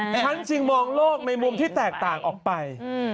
ฉันจึงมองโลกในมุมที่แตกต่างออกไป